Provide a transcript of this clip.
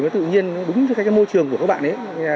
mới tự nhiên đúng với cái môi trường của các bạn ấy